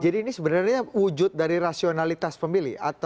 jadi ini sebenarnya wujud dari rasionalitas pemilih